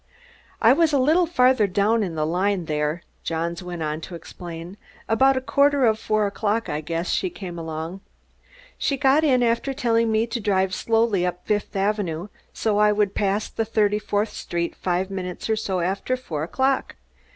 "I was a little farther down the line there," Johns went on to explain. "About a quarter of four o'clock, I guess, she came along. She got in, after telling me to drive slowly up Fifth Avenue so I would pass Thirty fourth Street five minutes or so after four o'clock.